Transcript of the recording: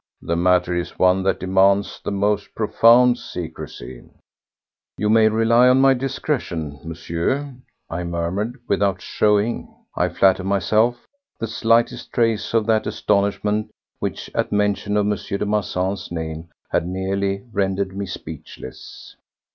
The matter is one that demands the most profound secrecy." "You may rely on my discretion, Monsieur," I murmured, without showing, I flatter myself, the slightest trace of that astonishment which, at mention of M. de Marsan's name, had nearly rendered me speechless.